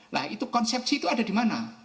nah itu konsepsi itu ada di mana